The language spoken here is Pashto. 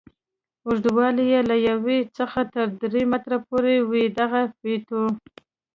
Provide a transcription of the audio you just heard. اوږدوالی یې له یوه څخه تر درې متره پورې وي دغه فیتو.